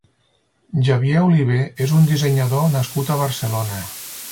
Xavier Olivé és un dissenyador nascut a Barcelona.